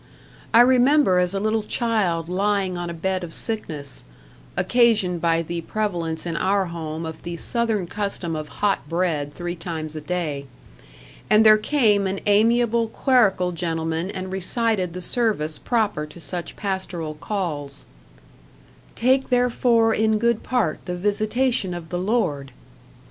I remember as a little child lying on a bed of sickness, occasioned by the prevalence in our home of the Southern custom of hot bread three times a day; and there came an amiable clerical gentleman and recited the service proper to such pastoral calls: "Take therefore in good part the visitation of the Lord!"